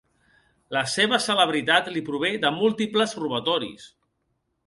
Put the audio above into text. La seva celebritat li prové de múltiples robatoris.